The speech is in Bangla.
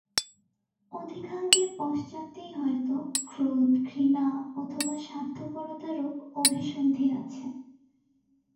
অধিকাংশের পশ্চাতেই হয়তো ক্রোধ, ঘৃণা অথবা স্বার্থপরতারূপ অভিসন্ধি আছে।